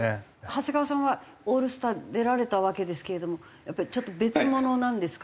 長谷川さんはオールスター出られたわけですけれどもやっぱりちょっと別物なんですか？